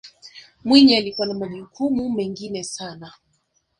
mwinyi alikuwa na majukumu mengine sana